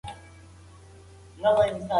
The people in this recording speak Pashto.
تخلیقي ادب تر تحقیقي ادب احساساتي دئ.